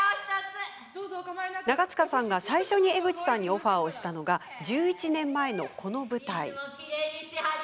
長塚さんが、最初に江口さんにオファーをしたのが１１年前のこちらの舞台。